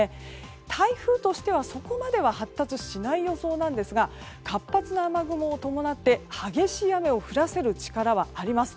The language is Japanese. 台風としては、そこまでは発達しない予想なんですが活発な雨雲を伴って激しい雨を降らせる力はあります。